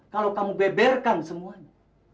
kalau kamu beberkan semuanya